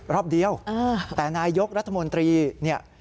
รอบเดียวแต่นายยกรัฐมนตรีเนี่ย